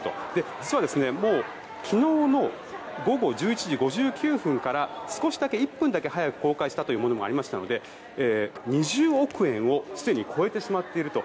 実は昨日の午後１１時５９分から少しだけ、１分だけ早く公開したものもありましたので２０億円をすでに超えてしまっていると。